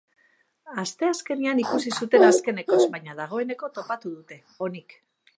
Asteazkenean ikusi zuten azkenekoz, baina dagoeneko topatu dute, onik.